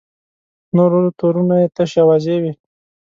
نور تورونه یې تشې اوازې وې.